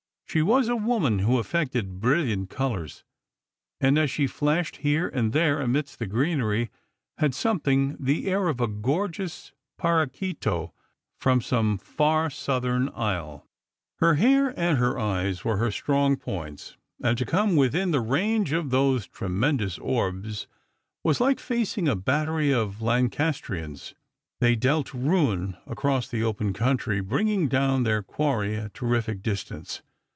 She was a woman who affected brilliant colours, and as she flashed here and there amidst the greenery, had something the air of a gorgeous paraquito from some fax Bouthern isle. Strangers and Pilgrimg, 167 Her hair and her eyes were her strong points, and to come within the range of those tremendous orbs was like facing a battery of Lancastrians. They dealt ruin across the open country, bringing down their quarry at terrific distance.